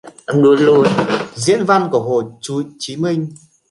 Diễn văn của Hồ Chí Minh